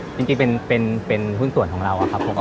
จริงเป็นหุ้นส่วนของเราครับผม